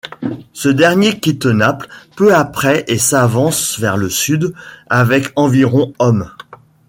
Ce dernier quitte Naples peu après et s'avance vers le sud avec environ hommes.